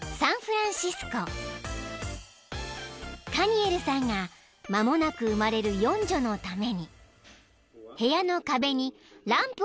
［カニエルさんが間もなく生まれる四女のために部屋の］